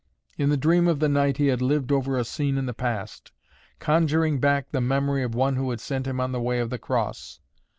In the dream of the night he had lived over a scene in the past, conjuring back the memory of one who had sent him on the Way of the Cross.